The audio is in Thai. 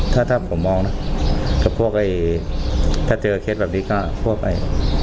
ถ้าถ้าผมมองเนอะกับพวกไอ้ถ้าเจอเคสแบบนี้ก็พวกไอ้